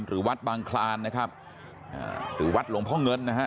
หรือวัดบางคลานนะครับอ่าหรือวัดหลวงพ่อเงินนะฮะ